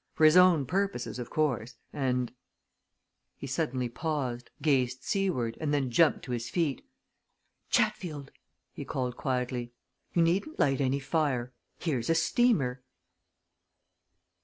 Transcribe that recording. For his own purposes, of course. And" he suddenly paused, gazed seaward, and then jumped to his feet. "Chatfield!" he called quietly. "You needn't light any fire. Here's a steamer!"